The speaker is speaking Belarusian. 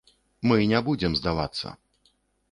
Мы не будзем здавацца.